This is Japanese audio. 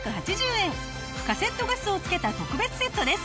カセットガスを付けた特別セットです。